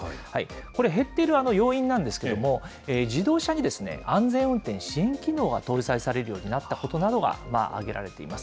これ、減っている要因なんですけれども、自動車に安全運転支援機能が搭載されるようになったことなどが挙げられています。